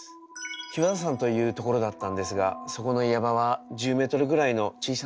日和田山という所だったんですがそこの岩場は１０メートルぐらいの小さな岩でした。